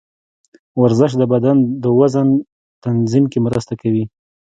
ورزش د بدن د وزن تنظیم کې مرسته کوي.